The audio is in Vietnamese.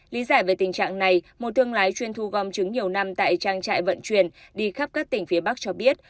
lý giải về tình trạng này một thương lái chuyên thu gom trứng nhiều năm tại trang trại vận chuyển đi khắp các tỉnh phía bắc cho biết